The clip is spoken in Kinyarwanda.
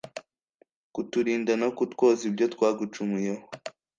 Kuturinda no kutwoza ibyo twagucumuyeho